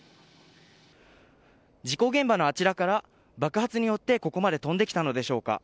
事故現場のあちらから爆発によってここまで飛んできたのでしょうか。